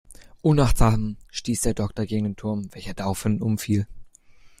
Unachtsam stieß der Doktor gegen den Turm, welcher daraufhin umfiel.